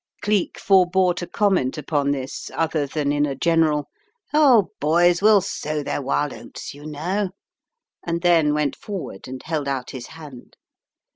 Cleek f orebore to comment upon this other than in a general: "Oh, boys will sow their wild oats, you Imow," and then went forward and held out his hand.